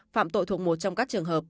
phạm tội thuộc một trong các trường hợp